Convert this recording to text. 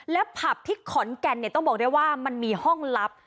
และผับที่ขอนแก่นต้องบอกได้ว่ามันมีห้องลับ